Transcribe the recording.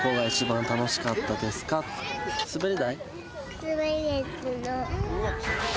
滑り台？